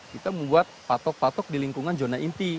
kita membuat patok patok di lingkungan zona inti